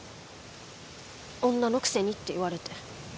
女のくせにって言われて。